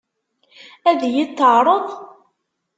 Ad iyi-t-teɛṛeḍ?